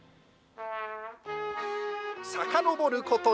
さかのぼること